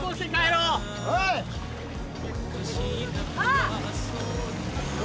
あっ！